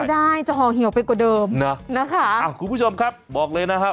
ได้จะห่อเหี่ยวไปกว่าเดิมนะนะคะอ่าคุณผู้ชมครับบอกเลยนะครับ